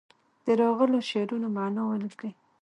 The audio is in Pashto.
د راغلو شعرونو معنا ولیکي.